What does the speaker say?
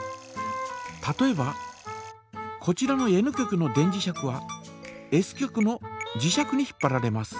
例えばこちらのＮ極の電磁石はＳ極の磁石に引っぱられます。